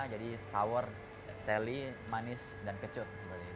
jadi sour sally manis dan kecut